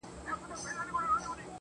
زمــا دزړه د ائينې په خاموشـۍ كي~